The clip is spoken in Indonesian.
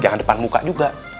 jangan depan muka juga